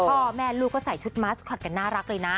พ่อแม่ลูกก็ใส่ชุดมาสคอตกันน่ารักเลยนะ